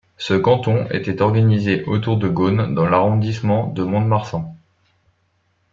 Ce canton était organisé autour de Geaune dans l'arrondissement de Mont-de-Marsan.